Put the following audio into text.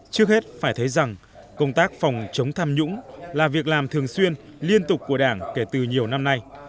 trước hết phải thấy rằng công tác phòng chống tham nhũng là việc làm thường xuyên liên tục của đảng kể từ nhiều năm nay